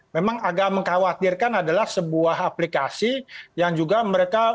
memang agak mengkhawatirkan adalah sebuah aplikasi yang juga mereka